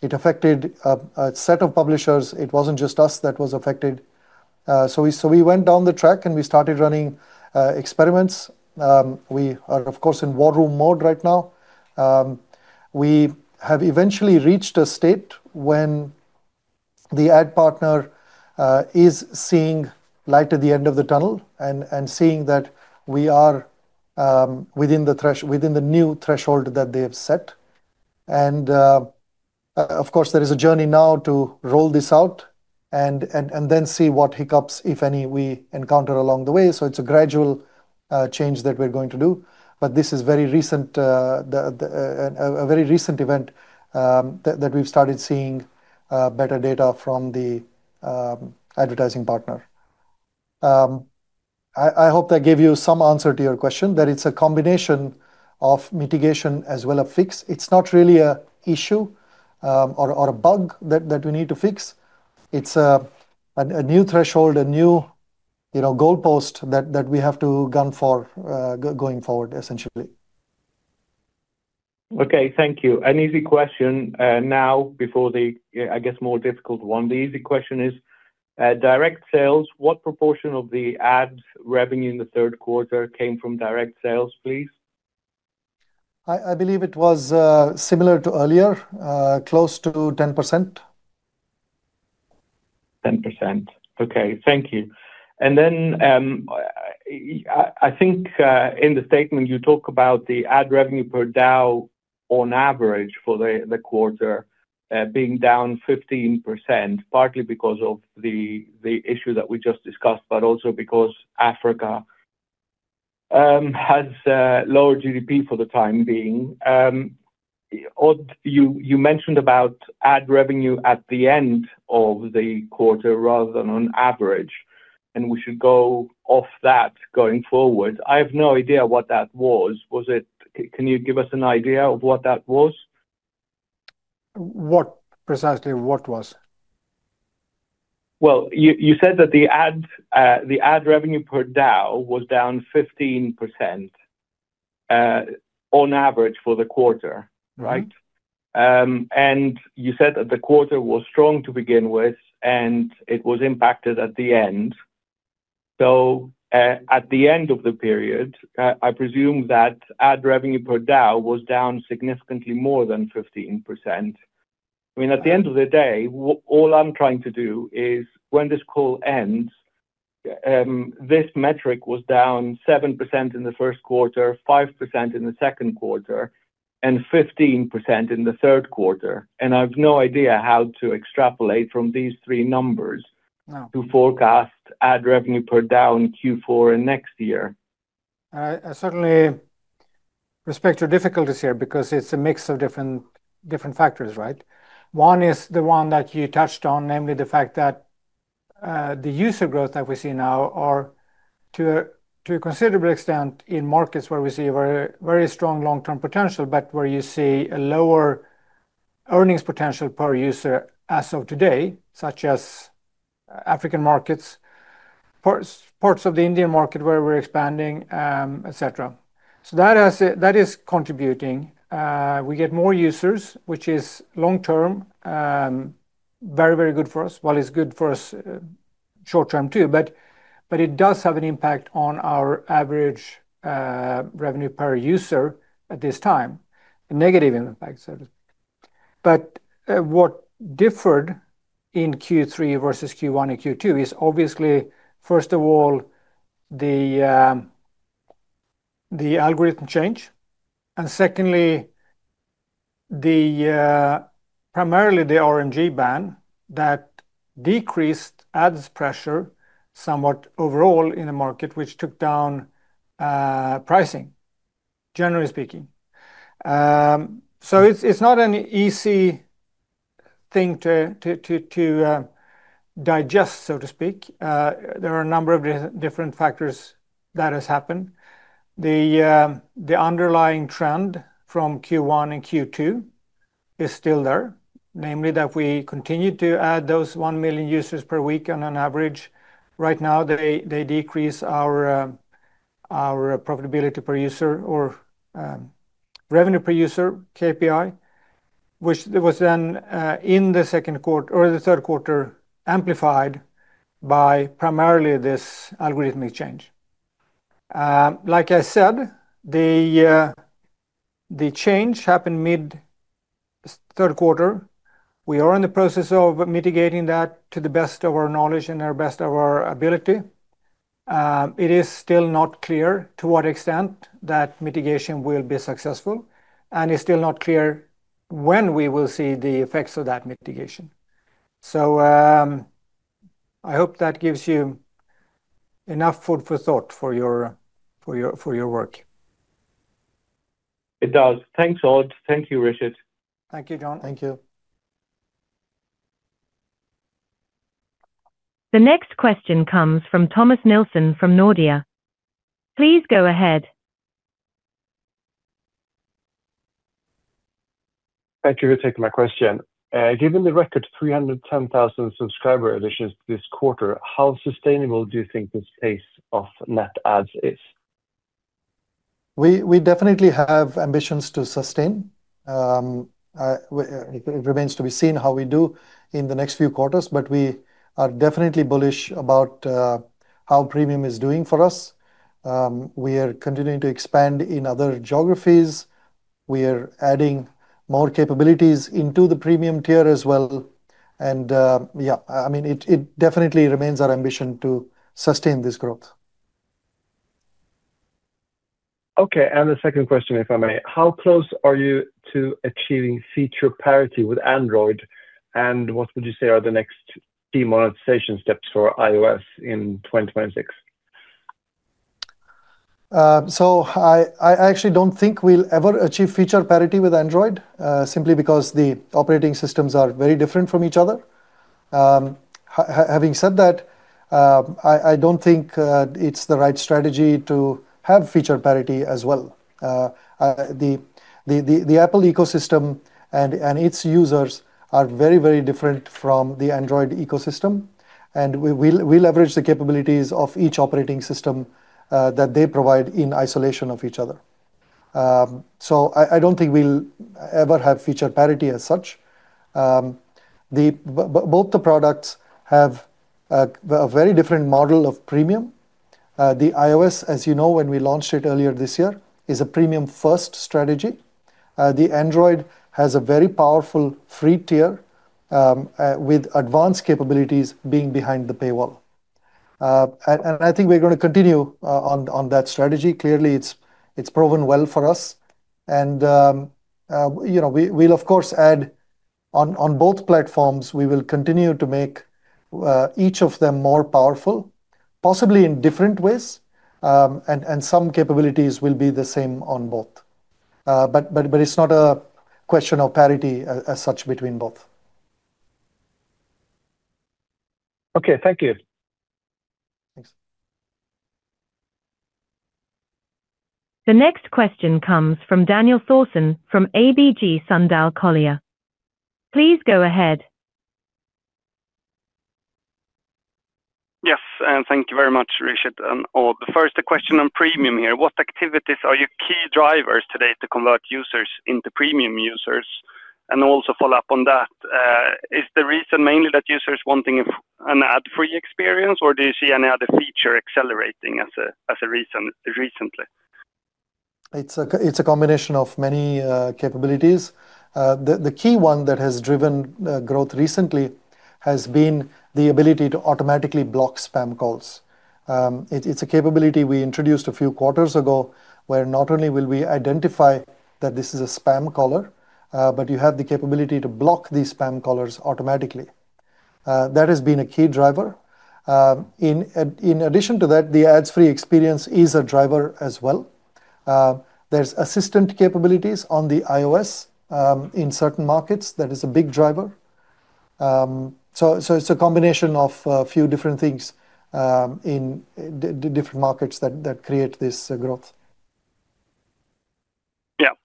It affected a set of publishers. It wasn't just us that was affected. We went down the track and we started running experiments. We are, of course, in war room mode right now. We have eventually reached a state when the ad partner is seeing light at the end of the tunnel and seeing that we are within the new threshold that they've set. There is a journey now to roll this out and then see what hiccups, if any, we encounter along the way. It's a gradual change that we're going to do. This is a very recent event that we've started seeing better data from the advertising partner. I hope that gave you some answer to your question, that it's a combination of mitigation as well as a fix. It's not really an issue or a bug that we need to fix. It's a new threshold, a new goalpost that we have to gun for going forward, essentially.
Okay, thank you. An easy question now before the, I guess, more difficult one. The easy question is Direct Sales. What proportion of the ad revenue in the third quarter came from Direct Sales, please?
I believe it was similar to earlier, close to 10%.
10%. Thank you. I think in the statement you talk about the ad revenue per DAO on average for the quarter being down 15%, partly because of the issue that we just discussed, but also because Africa has lower GDP for the time being. You mentioned about ad revenue at the end of the quarter rather than on average, and we should go off that going forward. I have no idea what that was. Can you give us an idea of what that was?
What precisely what was?
You said that the ad revenue per DAO was down 15% on average for the quarter, right? You said that the quarter was strong to begin with, and it was impacted at the end. At the end of the period, I presume that ad revenue per DAO was down significantly more than 15%. At the end of the day, all I'm trying to do is when this call ends, this metric was down 7% in the first quarter, 5% in the second quarter, and 15% in the third quarter. I have no idea how to extrapolate from these three numbers to forecast ad revenue per DAO in Q4 and next year.
I certainly respect your difficulties here because it's a mix of different factors, right? One is the one that you touched on, namely the fact that the user growth that we see now is to a considerable extent in markets where we see a very strong long-term potential, but where you see a lower earnings potential per user as of today, such as African markets, parts of the Indian market where we're expanding, etc. That is contributing. We get more users, which is long-term very, very good for us. It's good for us short-term too, but it does have an impact on our average revenue per user at this time, a negative impact, so to speak. What differed in Q3 vs Q1 and Q2 is obviously, first of all, the algorithm change, and secondly, primarily the RMG ban that decreased ads pressure somewhat overall in the market, which took down pricing, generally speaking. It's not an easy thing to digest, so to speak. There are a number of different factors that have happened. The underlying trend from Q1 and Q2 is still there, namely that we continue to add those 1 million users per week on an average. Right now, they decrease our profitability per user or revenue per user KPI, which was then in the second quarter or the third quarter amplified by primarily this algorithmic change. Like I said, the change happened mid-third quarter. We are in the process of mitigating that to the best of our knowledge and our best of our ability. It is still not clear to what extent that mitigation will be successful, and it's still not clear when we will see the effects of that mitigation. I hope that gives you enough food for thought for your work.
It does. Thanks, Odd. Thank you, Rishit.
Thank you, John.
Thank you.
The next question comes from Thomas Nilsson from Nordea. Please go ahead.
Thank you for taking my question. Given the record 310,000 subscriber additions this quarter, how sustainable do you think this pace of net ads is?
We definitely have ambitions to sustain. It remains to be seen how we do in the next few quarters, but we are definitely bullish about how premium is doing for us. We are continuing to expand in other geographies. We are adding more capabilities into the premium tier as well. It definitely remains our ambition to sustain this growth.
Okay, and the second question, if I may, how close are you to achieving feature parity with Android, and what would you say are the next demonetization steps for iOS in 2026?
I actually don't think we'll ever achieve feature parity with Android, simply because the operating systems are very different from each other. Having said that, I don't think it's the right strategy to have feature parity as well. The Apple ecosystem and its users are very, very different from the Android ecosystem, and we leverage the capabilities of each operating system that they provide in isolation of each other. I don't think we'll ever have feature parity as such. Both the products have a very different model of premium. The iOS, as you know, when we launched it earlier this year, is a premium-first strategy. The Android has a very powerful free tier with advanced capabilities being behind the paywall. I think we're going to continue on that strategy. Clearly, it's proven well for us. We'll, of course, add on both platforms. We will continue to make each of them more powerful, possibly in different ways, and some capabilities will be the same on both. It's not a question of parity as such between both.
Okay, thank you.
Thanks.
The next question comes from Daniel Thorsson from ABG Sundal Collier. Please go ahead.
Yes, and thank you very much, Rishit and Odd. First, a question on premium here. What activities are your key drivers today to convert users into premium users? Also, follow up on that. Is the reason mainly that users want an ad-free experience, or do you see any other feature accelerating as a reason recently?
It's a combination of many capabilities. The key one that has driven growth recently has been the ability to automatically block spam calls. It's a capability we introduced a few quarters ago, where not only will we identify that this is a spam caller, but you have the capability to block these spam callers automatically. That has been a key driver. In addition to that, the ad-free experience is a driver as well. There are assistant capabilities on the iOS in certain markets. That is a big driver. It's a combination of a few different things in different markets that create this growth.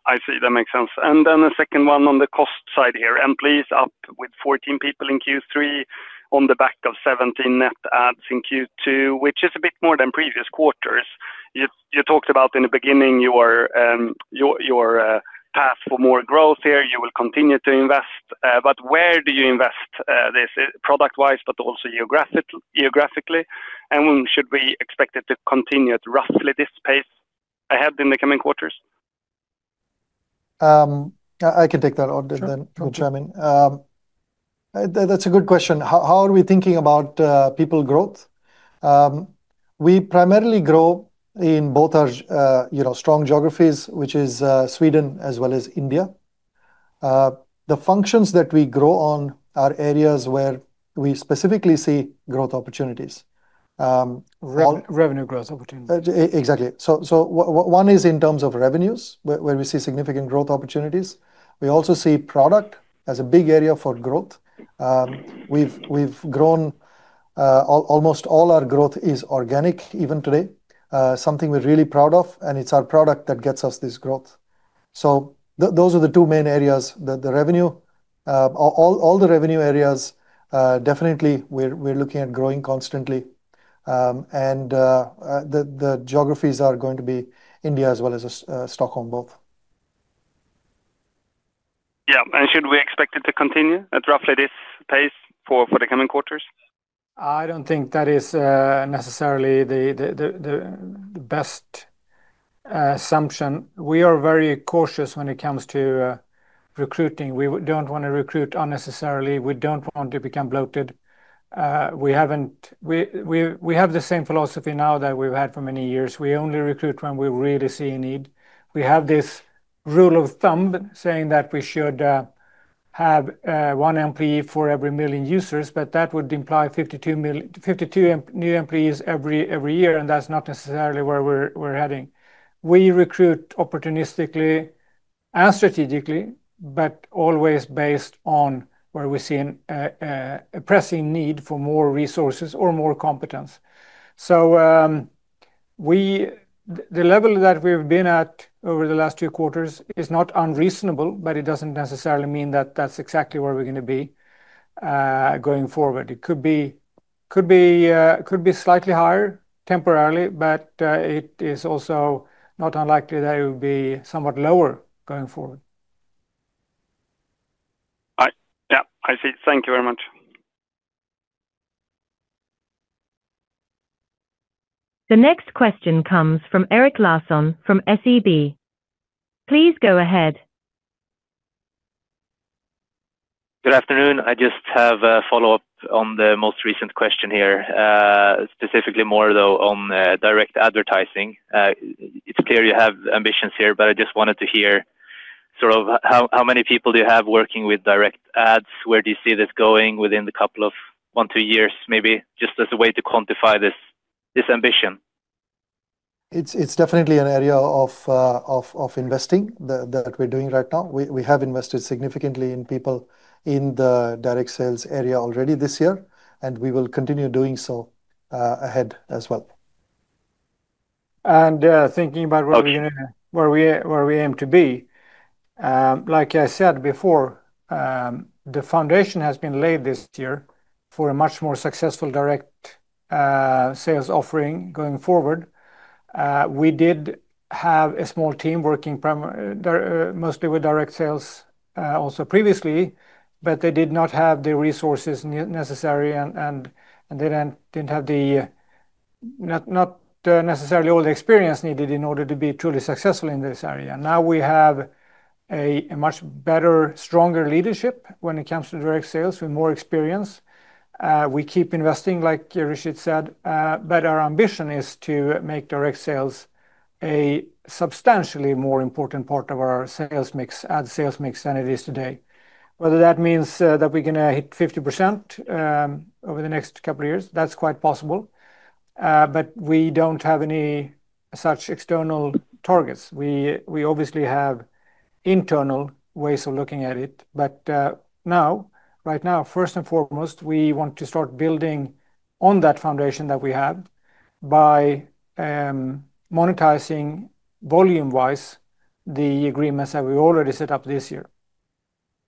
I see. That makes sense. The second one on the cost side here, employees up with 14 people in Q3 on the back of 17 net adds in Q2, which is a bit more than previous quarters. You talked about in the beginning your path for more growth here. You will continue to invest. Where do you invest this product-wise, but also geographically? Should we expect it to continue at roughly this pace ahead in the coming quarters?
I can take that on. That's a good question. How are we thinking about people growth? We primarily grow in both our strong geographies, which is Sweden as well as India. The functions that we grow on are areas where we specifically see growth opportunities.
Revenue growth opportunities.
Exactly. One is in terms of revenues, where we see significant growth opportunities. We also see product as a big area for growth. We've grown. Almost all our growth is organic, even today, something we're really proud of, and it's our product that gets us this growth. Those are the two main areas. All the revenue areas definitely we're looking at growing constantly, and the geographies are going to be India as well as Stockholm, both.
Should we expect it to continue at roughly this pace for the coming quarters?
I don't think that is necessarily the best assumption. We are very cautious when it comes to recruiting. We don't want to recruit unnecessarily. We don't want to become bloated. We have the same philosophy now that we've had for many years. We only recruit when we really see a need. We have this rule of thumb saying that we should have one employee for every million users, but that would imply 52 new employees every year, and that's not necessarily where we're heading. We recruit opportunistically and strategically, always based on where we see a pressing need for more resources or more competence. The level that we've been at over the last two quarters is not unreasonable, but it doesn't necessarily mean that that's exactly where we're going to be going forward. It could be slightly higher temporarily, but it is also not unlikely that it would be somewhat lower going forward.
Yeah, I see. Thank you very much.
The next question comes from Erik Larsson from SEB. Please go ahead.
Good afternoon. I just have a follow-up on the most recent question here, specifically more though on direct advertising. It's clear you have ambitions here, but I just wanted to hear sort of how many people do you have working with direct ads? Where do you see this going within the couple of one, two years, maybe just as a way to quantify this ambition?
It's definitely an area of investing that we're doing right now. We have invested significantly in people in the direct sales area already this year, and we will continue doing so ahead as well.
Thinking about where we aim to be, like I said before, the foundation has been laid this year for a much more successful direct sales offering going forward. We did have a small team working mostly with direct sales also previously, but they did not have the resources necessary, and they didn't have necessarily all the experience needed in order to be truly successful in this area. Now we have a much better, stronger leadership when it comes to direct sales with more experience. We keep investing, like Rishit said, but our ambition is to make direct sales a substantially more important part of our sales mix, ad sales mix than it is today. Whether that means that we're going to hit 50% over the next couple of years, that's quite possible, but we don't have any such external targets. We obviously have internal ways of looking at it, but right now, first and foremost, we want to start building on that foundation that we have by monetizing volume-wise the agreements that we already set up this year,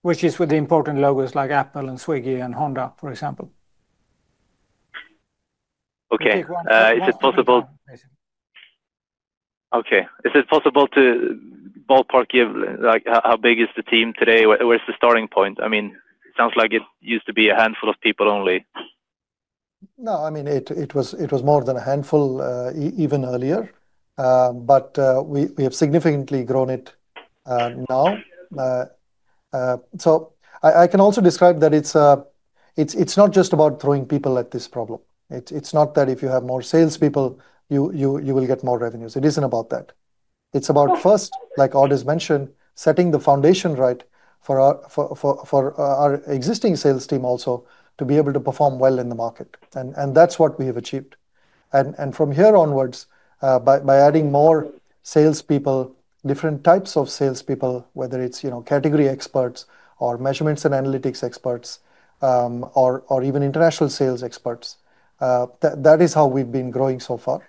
which is with the important logos like Apple and Swiggy and Honda, for example.
Is it possible to ballpark how big is the team today? Where's the starting point? I mean, it sounds like it used to be a handful of people only.
No, I mean, it was more than a handful even earlier, but we have significantly grown it now. I can also describe that it's not just about throwing people at this problem. It's not that if you have more salespeople, you will get more revenues. It isn't about that. It's about, first, like Odd has mentioned, setting the foundation right for our existing sales team also to be able to perform well in the market. That's what we have achieved. From here onwards, by adding more salespeople, different types of salespeople, whether it's category experts or measurements and analytics experts, or even international sales experts, that is how we've been growing so far.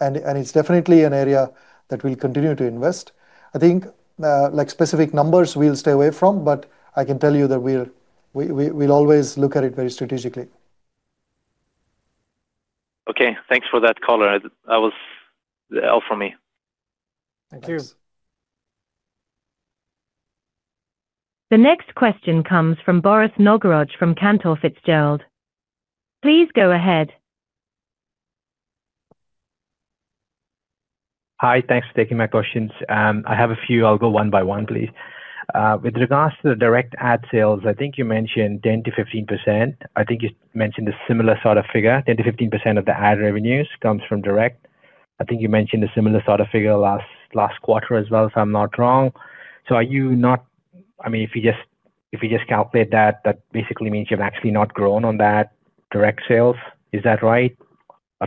It's definitely an area that we'll continue to invest. I think, like, specific numbers we'll stay away from, but I can tell you that we'll always look at it very strategically.
Okay, thanks for that. That was all from me.
Thank you.
The next question comes from Bharath Nagaraj from Cantor Fitzgerald. Please go ahead.
Hi, thanks for taking my questions. I have a few. I'll go one by one, please. With regards to the Direct ad sales, I think you mentioned 10%-15%. I think you mentioned a similar sort of figure. 10%-15% of the ad revenues comes from Direct. I think you mentioned a similar sort of figure last quarter as well, if I'm not wrong. Are you not, I mean, if you just calculate that, that basically means you have actually not grown on that direct sales. Is that right?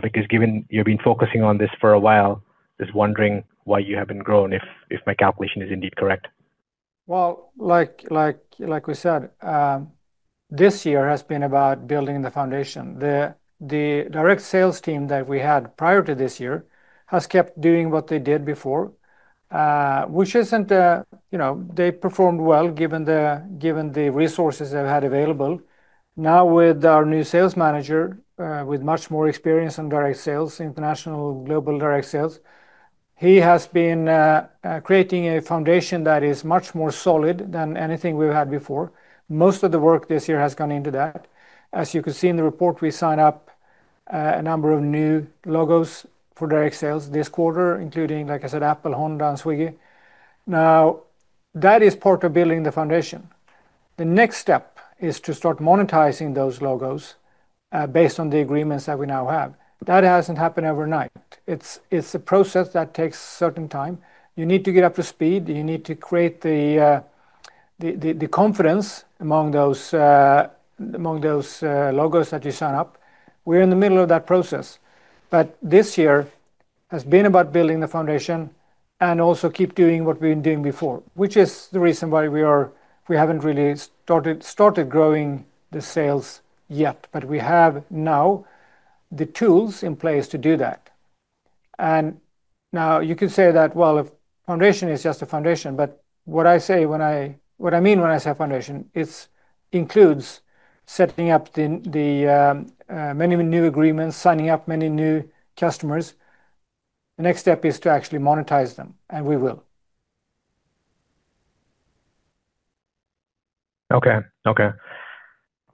Because given you've been focusing on this for a while, I'm just wondering why you haven't grown, if my calculation is indeed correct.
Like we said, this year has been about building the foundation. The direct sales team that we had prior to this year has kept doing what they did before, which isn't, you know, they performed well given the resources they've had available. Now, with our new Sales Manager, with much more experience on direct sales, international global direct sales, he has been creating a foundation that is much more solid than anything we've had before. Most of the work this year has gone into that. As you could see in the report, we signed up a number of new logos for direct sales this quarter, including, like I said, Apple, Honda, and Swiggy. That is part of building the foundation. The next step is to start monetizing those logos based on the agreements that we now have. That hasn't happened overnight. It's a process that takes a certain time. You need to get up to speed. You need to create the confidence among those logos that you sign up. We're in the middle of that process. This year has been about building the foundation and also keep doing what we've been doing before, which is the reason why we haven't really started growing the sales yet. We have now the tools in place to do that. You could say that a foundation is just a foundation, but what I say, what I mean when I say a foundation, it includes setting up the many new agreements, signing up many new customers. The next step is to actually monetize them, and we will.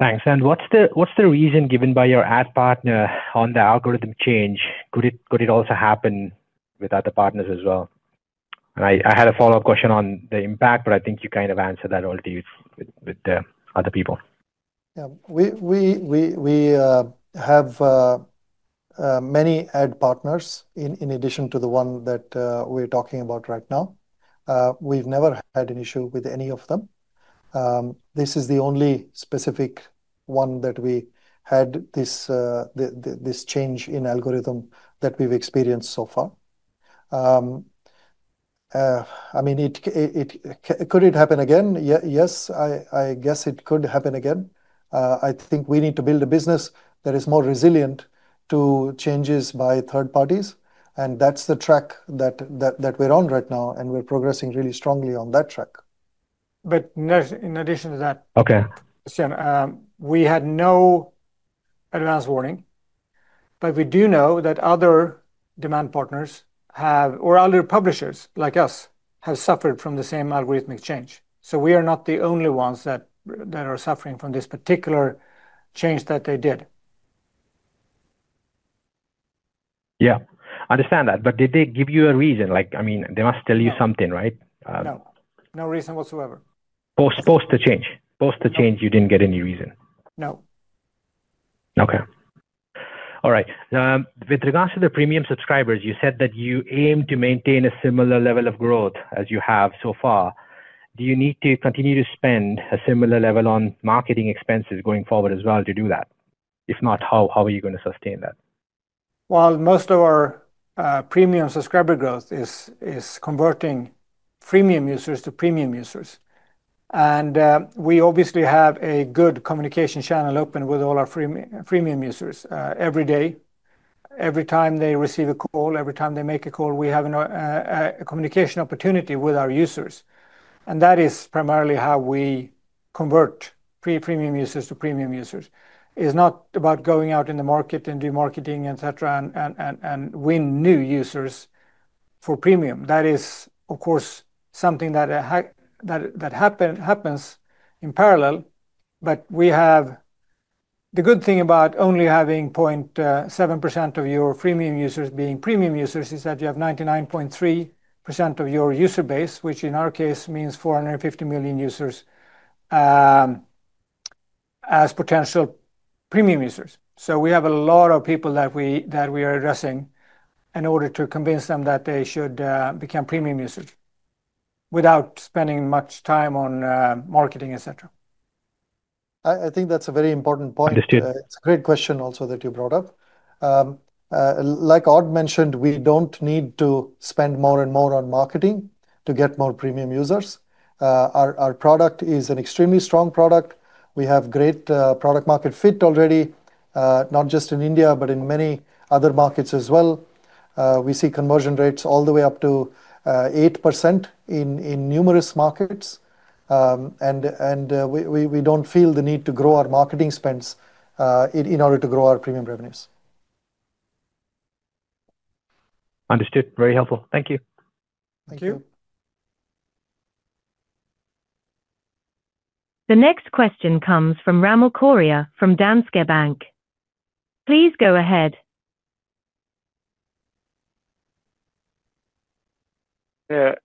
Thanks. What's the reason given by your ad partner on the algorithm change? Could it also happen with other partners as well? I had a follow-up question on the impact, but I think you kind of answered that already with the other people.
Yeah, we have many ad partners in addition to the one that we're talking about right now. We've never had an issue with any of them. This is the only specific one that we had this change in algorithm that we've experienced so far. I mean, could it happen again? Yes, I guess it could happen again. I think we need to build a business that is more resilient to changes by third parties. That's the track that we're on right now, and we're progressing really strongly on that track.
In addition to that,
OK.
We had no advance warning, but we do know that other demand partners or other publishers like us have suffered from the same algorithmic change. We are not the only ones that are suffering from this particular change that they did.
I understand that, but did they give you a reason? I mean, they must tell you something, right?
No, no reason whatsoever.
Post the change, you didn't get any reason?
No.
Okay. All right. With regards to the premium subscribers, you said that you aim to maintain a similar level of growth as you have so far. Do you need to continue to spend a similar level on marketing expenses going forward as well to do that? If not, how are you going to sustain that?
Most of our premium subscriber growth is converting freemium users to premium users. We obviously have a good communication channel open with all our freemium users every day. Every time they receive a call, every time they make a call, we have a communication opportunity with our users. That is primarily how we convert freemium users to premium users. It's not about going out in the market and doing marketing, etc., and winning new users for premium. That is, of course, something that happens in parallel. The good thing about only having 0.7% of your freemium users being premium users is that you have 99.3% of your user base, which in our case means 450 million users, as potential premium users. We have a lot of people that we are addressing in order to convince them that they should become premium users without spending much time on marketing, etc.
I think that's a very important point.
Understood.
It's a great question also that you brought up. Like Odd mentioned, we don't need to spend more and more on marketing to get more premium users. Our product is an extremely strong product. We have great product-market fit already, not just in India, but in many other markets as well. We see conversion rates all the way up to 8% in numerous markets. We don't feel the need to grow our marketing spend in order to grow our premium revenues.
Understood. Very helpful. Thank you.
Thank you.
The next question comes from Ramil Koria from Danske Bank. Please go ahead.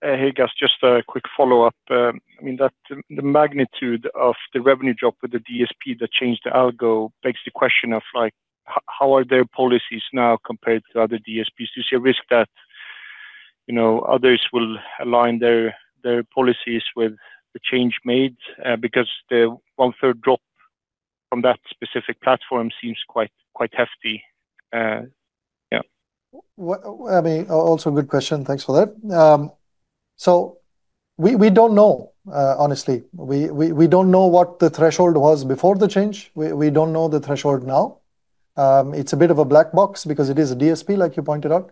Hey, guys, just a quick follow-up. I mean, the magnitude of the revenue drop with the DSP that changed the algo begs the question of, like, how are their policies now compared to other DSPs? Do you see a risk that, you know, others will align their policies with the change made? Because the one-third drop from that specific platform seems quite hefty.
Yeah, I mean, also a good question. Thanks for that. We don't know, honestly. We don't know what the threshold was before the change. We don't know the threshold now. It's a bit of a black box because it is a DSP, like you pointed out.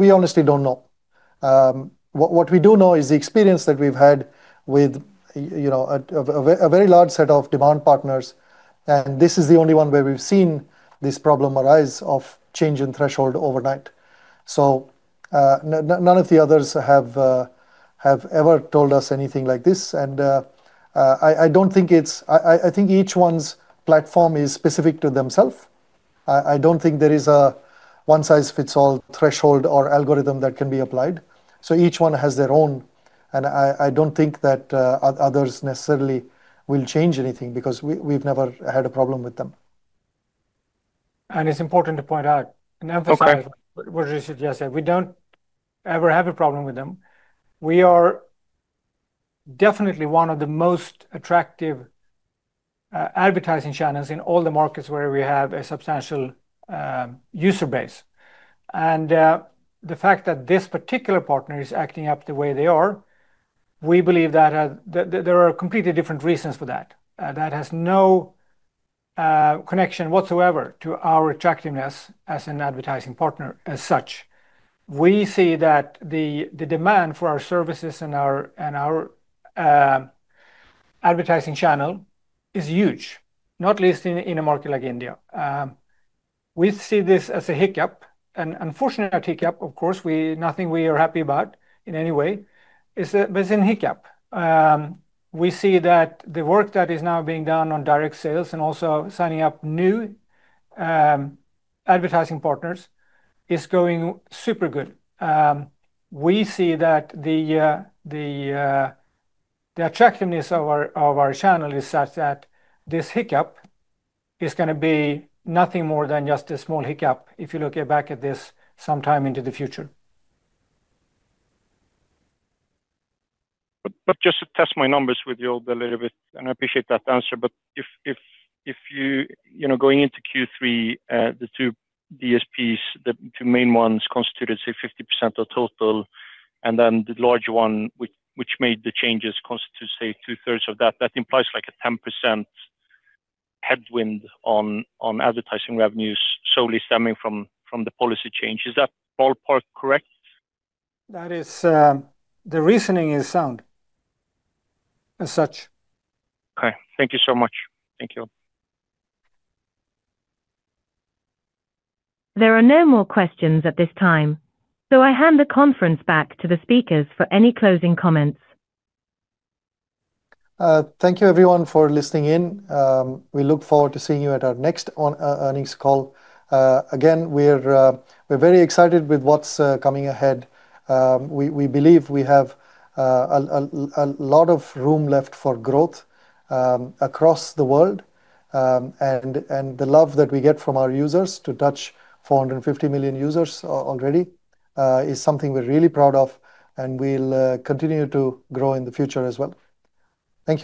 We honestly don't know. What we do know is the experience that we've had with a very large set of demand partners. This is the only one where we've seen this problem arise of change in threshold overnight. None of the others have ever told us anything like this. I don't think it's, I think each one's platform is specific to themself. I don't think there is a one-size-fits-all threshold or algorithm that can be applied. Each one has their own. I don't think that others necessarily will change anything because we've never had a problem with them.
It is important to point out and,
OK
Emphasize what Rishit just said. We don't ever have a problem with them. We are definitely one of the most attractive advertising channels in all the markets where we have a substantial user base. The fact that this particular partner is acting up the way they are, we believe that there are completely different reasons for that. That has no connection whatsoever to our attractiveness as an advertising partner as such. We see that the demand for our services and our advertising channel is huge, not least in a market like India. We see this as a hiccup. An unfortunate hiccup, of course, nothing we are happy about in any way, but it's a hiccup. We see that the work that is now being done on direct sales and also signing up new advertising partners is going super good. We see that the attractiveness of our channel is such that this hiccup is going to be nothing more than just a small hiccup if you look back at this sometime into the future.
Just to test my numbers with you all a little bit, and I appreciate that answer, if you go into Q3, the two DSPs, the two main ones constituted 50% of total, and then the large one, which made the changes, constitutes two-thirds of that. That implies like a 10% headwind on advertising revenues solely stemming from the policy change. Is that ballpark correct?
That is, the reasoning is sound as such.
Okay, thank you so much. Thank you.
There are no more questions at this time, so I hand the conference back to the speakers for any questions. Closing comments.
Thank you, everyone, for listening in. We look forward to seeing you at our next earnings call. We're very excited with what's coming ahead. We believe we have a lot of room left for growth across the world. The love that we get from our users to touch 450 million users already is something we're really proud of. We'll continue to grow in the future as well. Thank you.